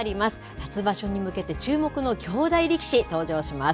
初場所に向けて、注目の兄弟力士、登場します。